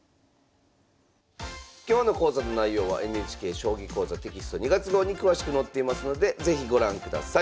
今日の講座の内容はＮＨＫ「将棋講座」テキスト２月号に詳しく載っていますので是非ご覧ください。